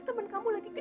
tapi di seluruh pokoknya